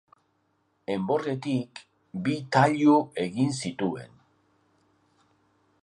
Enborretik bi tailu egin zituen.